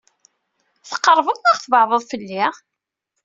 Tqeṛbeḍ neɣ tbeɛdeḍ fell-i?